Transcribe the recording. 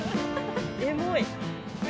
エモい。